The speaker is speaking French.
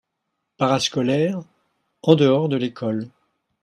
Parascolaire : En dehors de l'école.